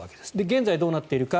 現在どうなっているか。